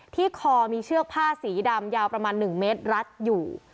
คอมีเชือกผ้าสีดำยาวประมาณ๑เมตรรัดอยู่